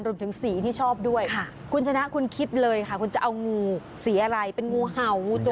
รวมถึงสีที่ชอบด้วยค่ะคุณชนะคุณคิดเลยค่ะคุณจะเอางูสีอะไรเป็นงูเห่างูตรงอ่าง